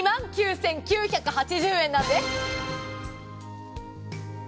２万９９８０円なんです。